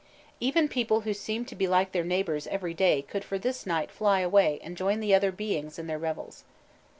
Even people who seemed to be like their neighbors every day could for this night fly away and join the other beings in their revels.